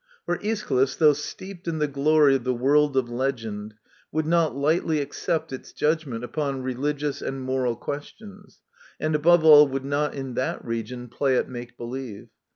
For Aeschylus, though steeped in the glory of the world of legend, would not lightly accept its judg ment upon religious and moral questions, and above all would not, in that region, play at make believe.